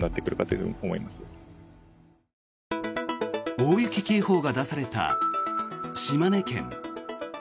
大雪警報が出された島根県。